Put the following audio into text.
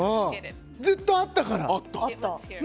ずっとあったから。